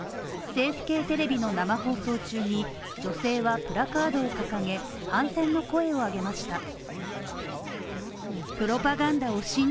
政府系テレビの生放送中に女性はプラカードを掲げ反戦の声を上げました。